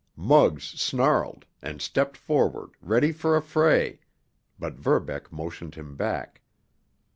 Muggs snarled, and stepped forward, ready for a fray, but Verbeck motioned him back.